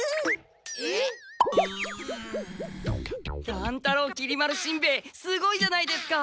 乱太郎きり丸しんべヱすごいじゃないですか！